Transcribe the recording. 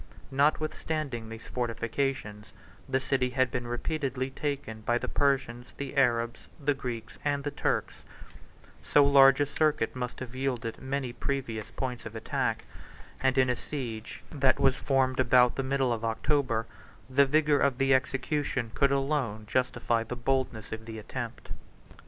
Notwithstanding these fortifications, the city had been repeatedly taken by the Persians, the Arabs, the Greeks, and the Turks; so large a circuit must have yielded many pervious points of attack; and in a siege that was formed about the middle of October, the vigor of the execution could alone justify the boldness of the attempt.